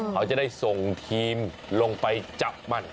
เขาจะได้ส่งทีมลงไปจับมัน